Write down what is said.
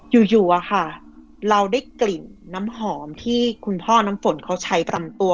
อยู่อะค่ะเราได้กลิ่นน้ำหอมที่คุณพ่อน้ำฝนเขาใช้ตำตัว